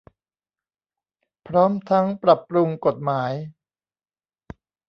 พร้อมทั้งปรับปรุงกฎหมาย